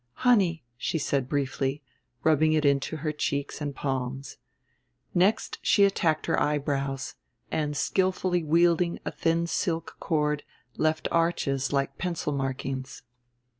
"Honey," she said briefly, rubbing it into her cheeks and palms. Next she attacked her eyebrows, and skillfully wielding a thin silk cord left arches like pencil markings.